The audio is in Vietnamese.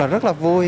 rất là vui